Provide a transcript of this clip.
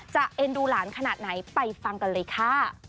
เอ็นดูหลานขนาดไหนไปฟังกันเลยค่ะ